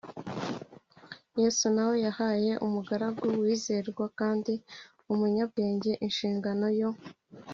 Yesu na we yahaye umugaragu wizerwa kandi w umunyabwenge inshingano yo